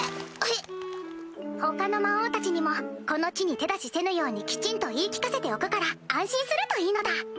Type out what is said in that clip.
他の魔王たちにもこの地に手出しせぬようにきちんと言い聞かせておくから安心するといいのだ。